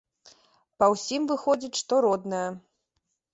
Па ўсім выходзіць, што родная.